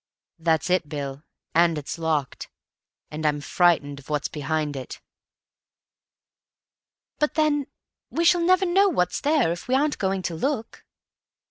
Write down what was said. "That's it, Bill. And it's locked. And I'm frightened of what's behind it." "But then we shall never know what's there if we aren't going to look."